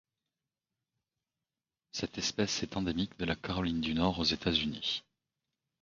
Cette espèce est endémique de la Caroline du Nord aux États-Unis.